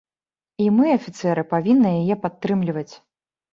І мы, афіцэры, павінны яе падтрымліваць.